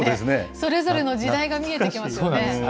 それぞれの時代が見えてきますよね。